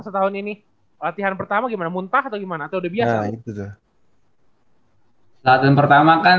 setahun ini latihan pertama gimana muntah atau gimana atau lebih baik itu saat yang pertama kan